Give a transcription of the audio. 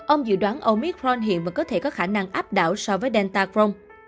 ông dự đoán omicron hiện vẫn có thể có khả năng áp đảo so với delta crohn